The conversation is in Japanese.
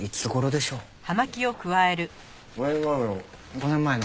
５年前の。